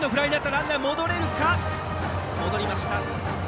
ランナーは戻りました。